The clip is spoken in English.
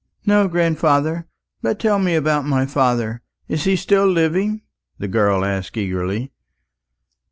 "No, grandfather. But tell me about my father. Is he still living?" the girl asked eagerly.